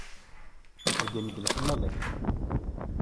Sbeyyen-d leḥmala-k.